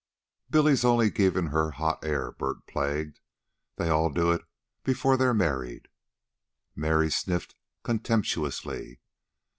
"Billy's only givin' her hot air," Bert plagued. "They all do it before they're married." Mary sniffed contemptuously.